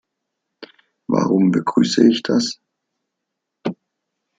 Warum begrüße ich das?